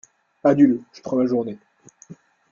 Annule. Je prends ma journée.